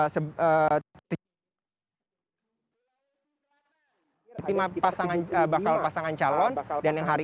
sejumlah bakal pasangan calon dan yang hari